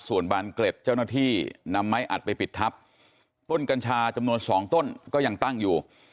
ส่วนบานเกล็ดเจ้าหน้าที่นำไม้อัดไปปิดทับต้นกัญชาจำนวนสองต้นก็ยังตั้งอยู่